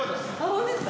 本当ですか？